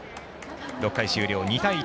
６回終了、２対１。